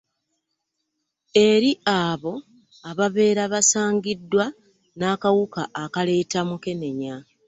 Eri abo ababeera basangiddwa n'akawuka akaleeta Mukenenya